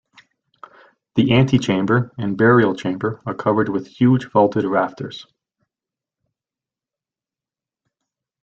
The antechamber and burial chamber are covered with huge vaulted rafters.